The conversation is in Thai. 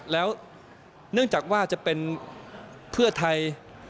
แล้วเนื่องจากว่าจะเป็นเพื่อไทย